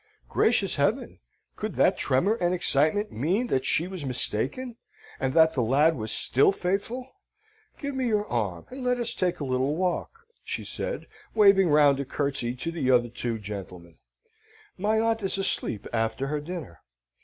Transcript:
Gracious Heaven! Could that tremor and excitement mean that she was mistaken, and that the lad was still faithful? "Give me your arm, and let us take a little walk," she said, waving round a curtsey to the other two gentlemen: "my aunt is asleep after her dinner."